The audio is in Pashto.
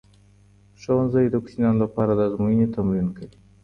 ښوونځی د کوچنیانو لپاره د ازمويني تمرین کوي.